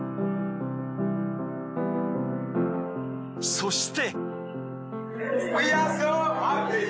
そして。